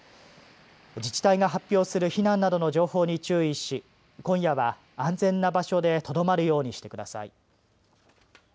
自治体が発表する避難などの情報に注意し今夜は安全な場所でとどまるようにしてください。